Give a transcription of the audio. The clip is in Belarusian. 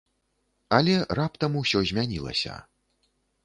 Але раптам ўсё змянілася.